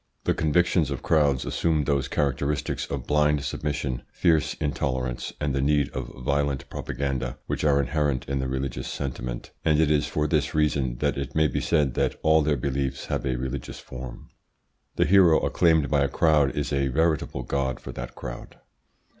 The convictions of crowds assume those characteristics of blind submission, fierce intolerance, and the need of violent propaganda which are inherent in the religious sentiment, and it is for this reason that it may be said that all their beliefs have a religious form. The hero acclaimed by a crowd is a veritable god for that crowd.